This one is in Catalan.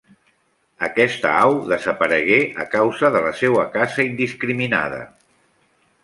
Aquesta au desaparegué a causa de la seua caça indiscriminada.